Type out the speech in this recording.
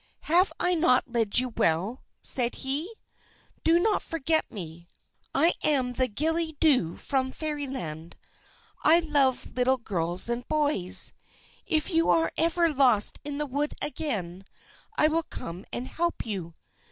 "Have I not led you well?" said he. "Do not forget me. I am the Gillie Dhu from Fairyland. I love little girls and boys. If you are ever lost in the wood again, I will come and help you!